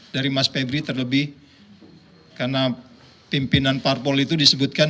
dari mas febri terlebih karena pimpinan parpol itu disebutkan